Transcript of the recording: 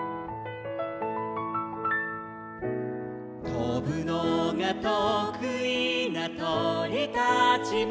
「とぶのがとくいなとりたちも」